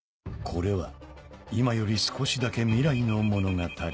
これは今より少しだけ未来の物語